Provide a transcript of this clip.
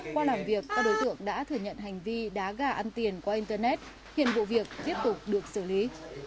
qua làm việc các đối tượng đã thừa nhận hành vi đá gà ăn tiền qua internet hiện vụ việc tiếp tục được xử lý